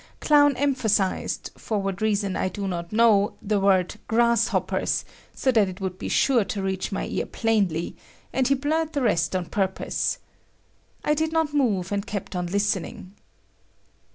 Clown emphasized, for what reason I do not know the word "grasshopers" so that it would be sure to reach my ear plainly, and he blurred the rest on purpose. I did not move, and kept on listening.